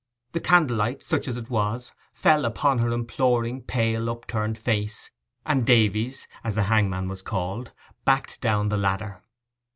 The candle light, such as it was, fell upon her imploring, pale, upturned face, and Davies (as the hangman was called) backed down the ladder.